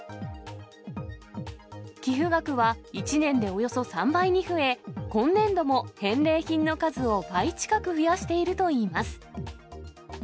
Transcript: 寄付額は１年でおよそ３倍に増え、今年度も返礼品の数を倍近く増やしているといいます。